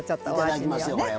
いただきますよこれ。